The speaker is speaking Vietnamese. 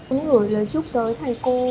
mình gửi lời chúc tới thầy cô